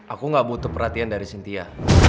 aku gak butuh perhatian dari cynthia